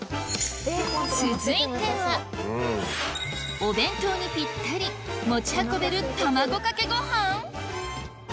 続いてはお弁当にぴったり持ち運べる卵かけご飯？